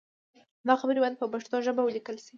دا خبرې باید په پښتو ژبه ولیکل شي.